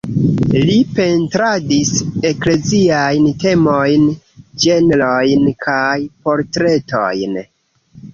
Li pentradis ekleziajn temojn, ĝenrojn kaj portretojn.